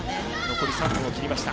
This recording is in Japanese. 残り３分を切りました。